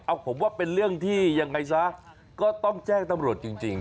เอาผมว่าเป็นเรื่องที่ยังไงซะก็ต้องแจ้งตำรวจจริง